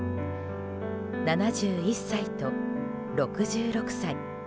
７１歳と６６歳。